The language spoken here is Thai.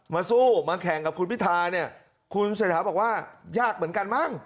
มาสู้มาแข่งกับคุณพิธาเนี่ยคุณเศรษฐาบอกว่ายากเหมือนกันมั้ง